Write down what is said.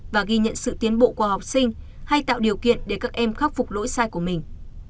và ghi nhận sự tiến bộ của học sinh hay tạo điều kiện để các em khắc phục lỗi sai của mình